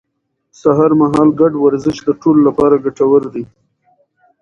سهار مهال ګډ ورزش د ټولو لپاره ګټور دی